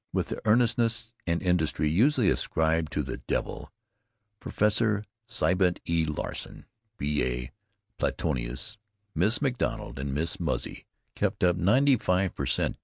With the earnestness and industry usually ascribed to the devil, "Prof" Sybrant E. Larsen (B. A. Platonis), Miss McDonald, and Miss Muzzy kept up ninety five per cent.